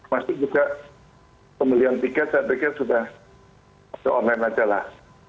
masuk juga pembelian tiket saya pikir sudah ke online saja lah